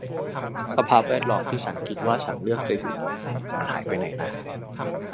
สภาพแวดล้อมที่ฉันคิดว่าฉันเลือกจะอยู่ มันหายไปไหนนะ